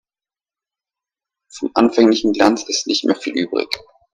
Vom anfänglichen Glanz ist nicht mehr viel übrig.